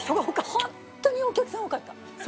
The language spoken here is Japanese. ホントにお客さん多かった。